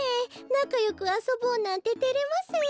なかよくあそぼうなんててれますよ。